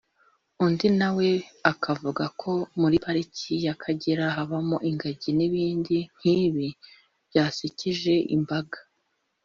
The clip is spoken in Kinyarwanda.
undi na we akavuga ko “muri Pariki y’Akagera habamo ingagi” n’ibindi nk’ibi byasekeje imbaga